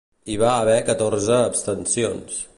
Hi va haver catorze abstencions.